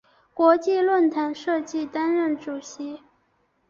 国际论坛设计担任主席。